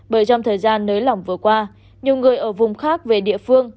bởi trong thời gian nới lỏng vừa qua nhiều người ở vùng khác về địa phương